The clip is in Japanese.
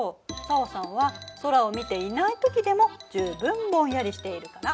紗和さんは空を見ていない時でも十分ぼんやりしているから。